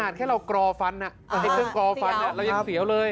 ถ้าเรากรอฟันเรายังเสียวเลย